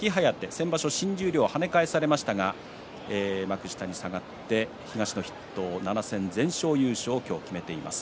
先場所、新十両跳ね返されましたが幕下に下がって東の筆頭７戦全勝優勝を今日決めています。